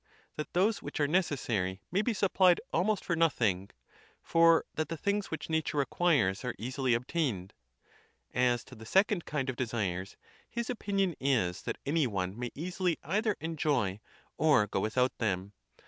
'That those which are necessary may be supplied almost for nothing; for that the things which nature requires are easily obtained." As to the second kind of desires, his' opinion is that any one may easily either enjoy or go with out them.